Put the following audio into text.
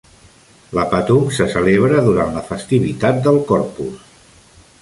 La Patum se celebra durant la festivitat del Corpus.